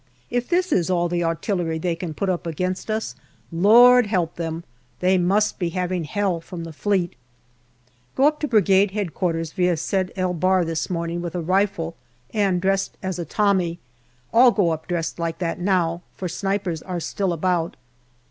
If this is all the artillery they can put up against us, Lord help them ! They must be having hell from the Fleet. Go up to Brigade H.Q. via Sed el Bahr this morning with a rifle and dressed as a Tommy. All go up dressed like that now, for snipers are still about.